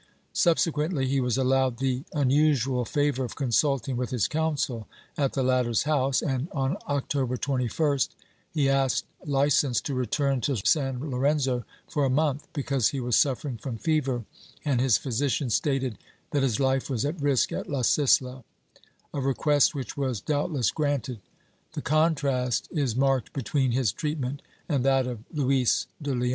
Subsequently he was allowed the unusual favor of consulting with his counsel at the latter's house and, on October 21st, he asked licence to return to San Lorenzo for a month, because he was suffering from fever and his physician stated that his life was at risk at la Sisla — a request which was doubtless granted. The contrast is marked between his treat ment and that of Luis de Leon.